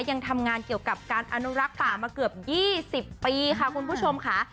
ยังทำงานเกี่ยวกับการอนุรักษ์ป่ามาเกือบ๒๐ปีค่ะคุณผู้ชมค่ะ